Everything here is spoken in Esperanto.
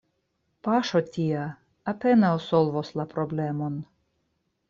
Paŝo tia apenaŭ solvos la problemon.